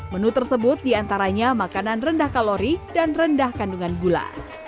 menu tersebut diantaranya makanan rendah kalori dan rendah kandungan gula